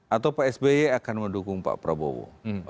atau psby akan mendukung pak prabowo